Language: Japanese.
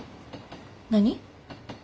何？